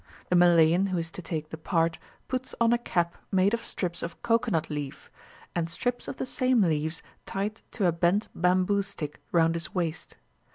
The Malayan who is to take the part puts on a cap made of strips of cocoanut leaf, and strips of the same leaves tied to a bent bamboo stick round his waist.